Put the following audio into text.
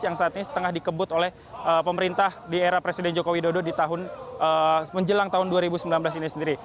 yang saat ini tengah dikebut oleh pemerintah di era presiden joko widodo menjelang tahun dua ribu sembilan belas ini sendiri